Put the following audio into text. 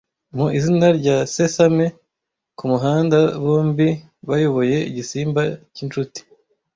Mu izina rya Sesame kumuhanda bombi bayoboye igisimba cyinshuti